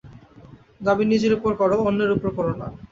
দাবি নিজের উপরে করো, অন্যের উপরে কোরো না।